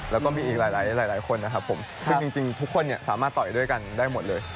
แล้วก็มีอีกหลายคนนะครับผมซึ่งจริงทุกคนเนี่ยสามารถต่อยด้วยกันได้หมดเลย